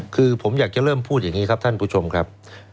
คือผมอยากจะเริ่มพูดอย่างนี้ครับท่านผู้ชมครับ